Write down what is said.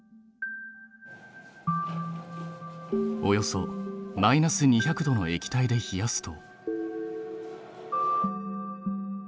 およそマイナス２００℃の液体で冷やすと。